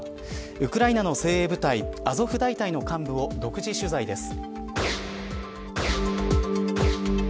ウクライナの精鋭部隊アゾフ大隊の幹部を独自取材です。